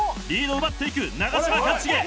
リードを奪っていく長嶋一茂。